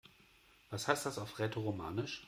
Was heißt das auf Rätoromanisch?